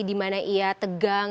di mana ia tegang